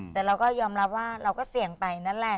แต่เราก็ยอมรับว่าเราก็เสี่ยงไปนั่นแหละ